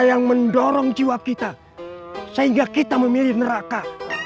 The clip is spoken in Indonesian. yang mendorong jiwa kita sehingga kita memilih neraka